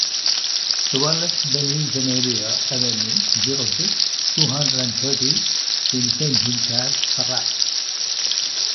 twelve H Denis Semeria avenue, zero six, two hundred and thirty- in Saint-Jean-Cap-Ferrat